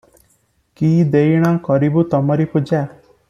କି ଦେଇଣ କରିବୁ ତମରି ପୂଜା